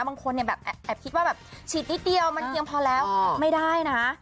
บางคนแอบคิดว่าฉีดนิดเดียวมันยังพอแล้วไม่ได้นะ